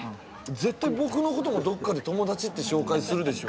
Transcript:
絶対僕のこともどっかで友達って紹介するでしょ